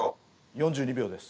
４２秒です。